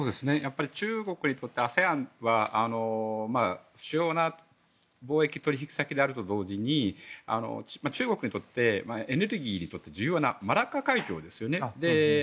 中国にとってＡＳＥＡＮは主要な貿易取引先であると同時に中国にとってエネルギーにとって重要なマラッカ海峡ですね。